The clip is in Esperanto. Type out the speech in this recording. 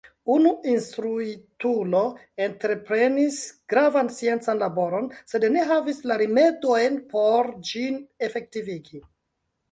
Unu instruitulo entreprenis gravan sciencan laboron, sed ne havis la rimedojn por ĝin efektivigi.